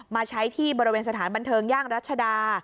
มาใช้ที่บริเวณสถานบันเทิงย่างรัชดา